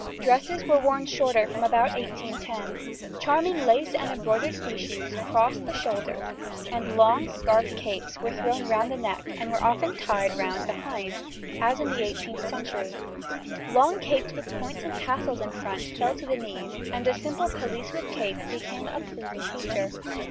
Dresses were worn shorter from about 1810. Charming lace and embroidered fichus crossed the shoulders, and long scarf capes were thrown round the neck and were often tied round behind, as in the 18th century; long capes with points and tassels in front fell to the knees, and a simple pelisse with cape became a pleasing feature.